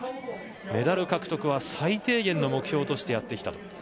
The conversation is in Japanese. メダル獲得は最低限の目標としてやってきた。